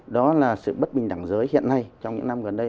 đó là sự bất bình đẳng giới hiện nay trong những năm gần đây